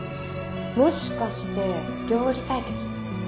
もしかして料理対決？